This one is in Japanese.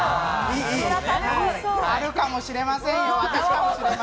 あるかもしれませんよ。